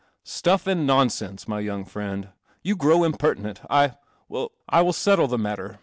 '" iffand nonsense, mv yountz friend. You impertinent. I — well — 1 will settle the matter.